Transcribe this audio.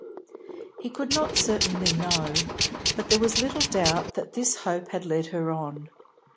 He could not certainly know, but there was little doubt that this hope had led her on.